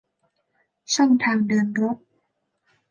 ช่องทางเดินรถ